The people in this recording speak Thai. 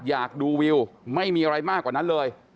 อยากดูวิวไม่มีอะไรมากกว่านั้นเลย